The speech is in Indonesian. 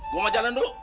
gua mau jalan dulu